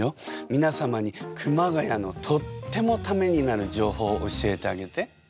みなさまに熊谷のとってもタメになる情報教えてあげて。